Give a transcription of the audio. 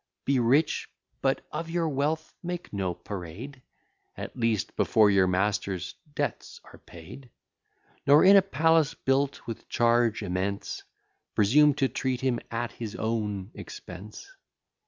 Be rich; but of your wealth make no parade; At least, before your master's debts are paid; Nor in a palace, built with charge immense, Presume to treat him at his own expense.